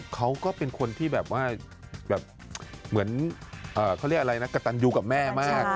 เขาก็เป็นคนที่แบบว่าแบบเหมือนเขาเรียกอะไรนะกระตันยูกับแม่มาก